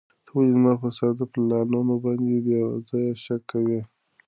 ته ولې زما په ساده پلانونو باندې بې ځایه شک کوې؟